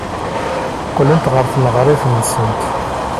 Qqlent ɣer tneɣrit-nsent.